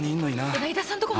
柳田さんとこも？